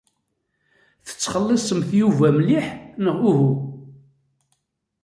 Tettxelliṣemt Yuba mliḥ, neɣ uhu?